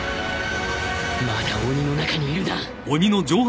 まだ鬼の中にいるな